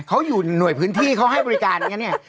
เขาอยู่หน่วยพื้นที่เขาให้บริการอย่างนี้เนี่ย